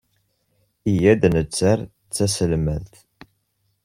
Iyya ad netter taselmadt.